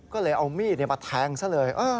ก็เลยเอามีดมาแทงซะเลย